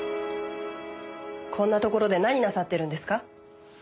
こんなところで何なさってるんですか？